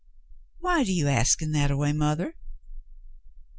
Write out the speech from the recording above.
"Why do you ask in that way, mothah